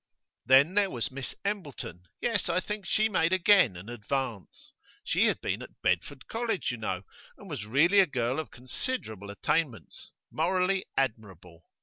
Then there was Miss Embleton; yes, I think she made again an advance. She had been at Bedford College, you know, and was really a girl of considerable attainments; morally, admirable.